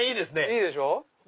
いいでしょ。